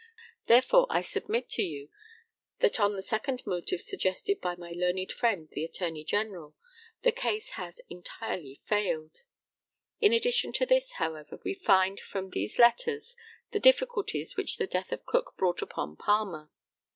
Therefore, I submit to you, that on the second motive suggested by my learned friend (the Attorney General), the case has entirely failed. In addition to this, however, we find from these letters the difficulties which the death of Cook brought upon Palmer.